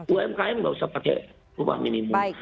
umkm nggak usah pakai rumah minimum